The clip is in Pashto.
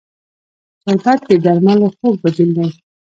شربت د درملو خوږ بدیل دی